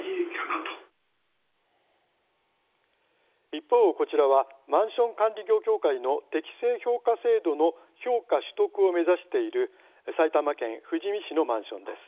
一方、こちらはマンション管理業協会の適正評価制度の評価取得を目指している埼玉県・富士見市のマンションです。